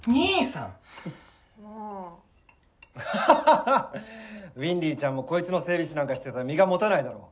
はぁもうハハハハッウィンリィちゃんもこいつの整備士なんかしてたら身が持たないだろ